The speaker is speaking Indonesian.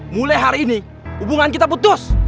mulai hari ini hubungan kita putus